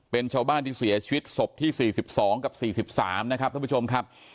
เป็นชาวบ้านที่เสียชีวิตศพที่สี่สิบสองกับสี่สิบสามนะครับท่านผู้ชมครับ